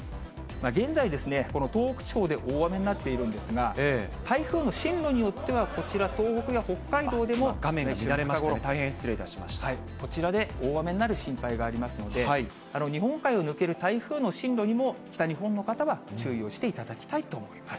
現在、この東北地方で大雨になっているんですが、台風の進路によっては、画面が乱れましたね、大変失こちらで大雨になる心配がありますので、日本海を抜ける台風の進路にも北日本の方は注意をしていただきたいと思います。